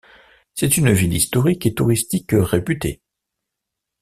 C'est une ville historique et touristique réputée.